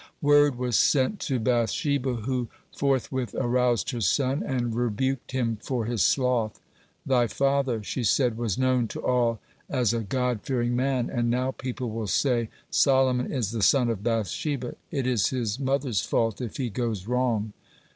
Word was sent to Bath sheba, who forthwith aroused her son, and rebuked him for his sloth. "Thy father," she said, "was known to all as a God fearing man, and now people will say, 'Solomon is the son of Bath sheba, it is his mother's fault if he goes wrong.'